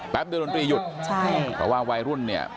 แป๊บเดี๋ยวดนตรีหยุดใช่เพราะว่าวัยรุ่นเนี้ย